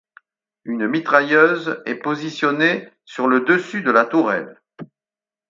Une mitrailleuse ou est positionnée sur le dessus de la tourelle.